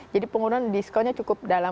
jadi penggunaan diskonya cukup tinggi